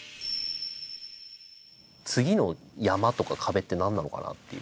次の山とか壁って何なのかなっていう。